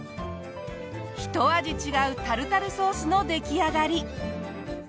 ひと味違うタルタルソースの出来上がり！